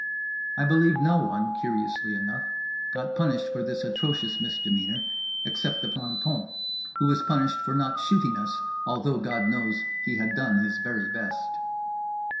I believe no one (curiously enough) got punished for this atrocious misdemeanour—except the planton; who was punished for not shooting us, although God knows he had done his very best.